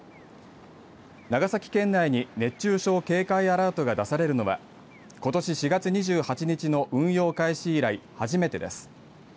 長崎県内に熱中症警戒アラートが出されるのはことし４月２８日の運用開始以来、初めてです。